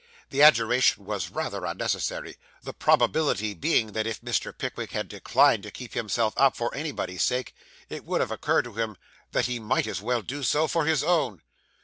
The adjuration was rather unnecessary; the probability being, that if Mr. Pickwick had declined to keep himself up for anybody else's sake, it would have occurred to him that he might as well do so, for his own.